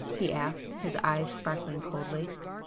he asked, his eyes sparkling coldly.